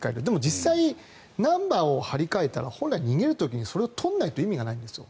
実際、ナンバーを張り替えたら本来、逃げる時にそれを取らないと意味がないんですよ。